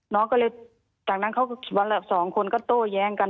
น้องก็เลยจากนั้นเขาวันละสองคนก็โต้แย้งกัน